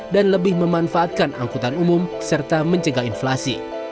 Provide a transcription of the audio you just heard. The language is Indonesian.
dan lebih memanfaatkan angkutan umum serta mencegah inflasi